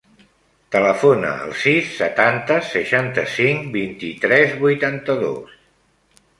Telefona al sis, setanta, seixanta-cinc, vint-i-tres, vuitanta-dos.